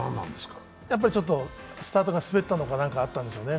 やっぱりちょっとスタートが滑ったのか何かあったんでしょうね。